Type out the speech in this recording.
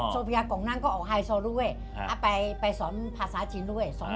สโฟียากรงนั้นก็ออกไให้โซไปสอนภาษาจีนด้วย